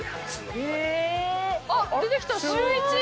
えー。あっ、出てきた、シューイチ。